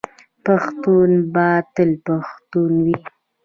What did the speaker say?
پښتون به تل پښتون وي.